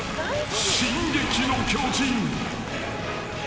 『進撃の巨人』］